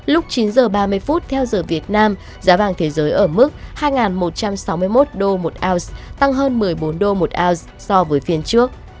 lúc chín h ba mươi phút theo giờ việt nam giá vàng thế giới ở mức hai một trăm sáu mươi một đô một ounce tăng hơn một mươi bốn đô một ounce so với phiên trước